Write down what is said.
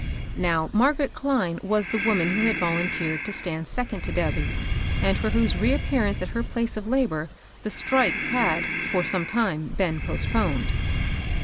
Now Margaret Cline was the woman who had volunteered to stand second to Debby, and for whose reappearance at her place of labor the "strike" had, for some time, been postponed.